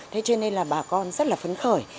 thế cho nên là bà con rất là phấn khởi